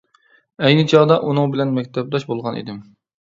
ئەينى چاغدا ئۇنىڭ بىلەن مەكتەپداش بولغانىدىم.